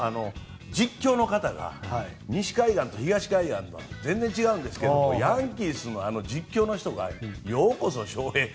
実況の方が、西海岸と東海岸で全然違うんですがヤンキースの実況の人がようこそ翔平と。